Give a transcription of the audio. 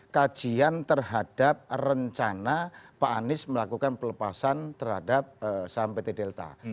kajian terhadap rencana pak anies melakukan pelepasan terhadap saham pt delta